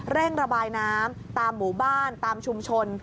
เร่งระบายน้ำตามหมู่บ้านตามชุมชน